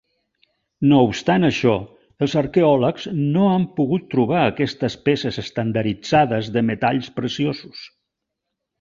No obstant això, els arqueòlegs no han pogut trobar aquestes peces estandarditzades de metalls preciosos.